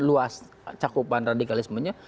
luas cakupan radikalismenya